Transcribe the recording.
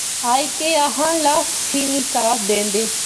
ہائے کے آخاں، لفظ ہی نے ساتھ دیندے۔